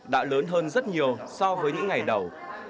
đã lớn hơn rất nhiều so với những ngày đầu